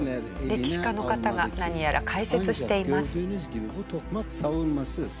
歴史家の方が何やら解説しています。